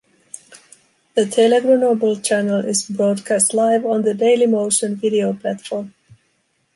The TéléGrenoble channel is broadcast live on the Dailymotion video platform.